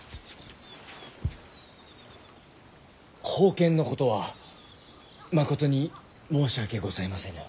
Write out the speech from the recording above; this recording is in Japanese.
宝剣のことはまことに申し訳ございませぬ。